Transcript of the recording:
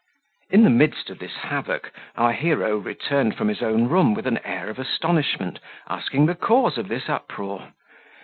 In the midst of this havoc, our hero returned from his own room with an air of astonishment, asking the cause of this uproar.